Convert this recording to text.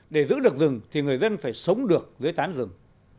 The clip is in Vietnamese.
để giữ được rừng thì người dân phải sống được dưới tán rừng